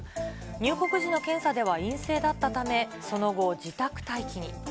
入国時の検査では陰性だったため、その後、自宅待機に。